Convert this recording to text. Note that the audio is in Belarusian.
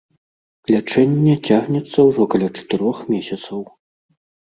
Лячэнне цягнецца ўжо каля чатырох месяцаў.